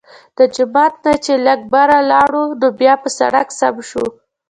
د جومات نه چې لږ بره لاړو نو بيا پۀ سړک سم شو